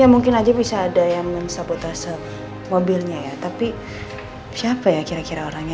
ya mungkin aja bisa ada yang mensabotase mobilnya ya tapi siapa ya kira kira orangnya